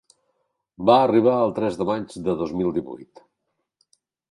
Va arribar el tres de maig de dos mil divuit.